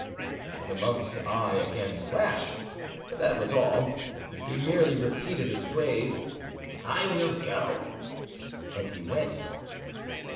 The monk's eye again flashed, but that was all; he merely repeated his phrase, "I will go,"—and he went.